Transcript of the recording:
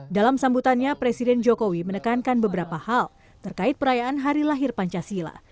dalam sambutannya presiden jokowi menekankan beberapa hal terkait perayaan hari lahir pancasila